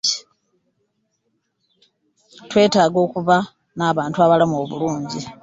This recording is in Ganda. Twetaaga okuba n'abantu abalamu obulungi.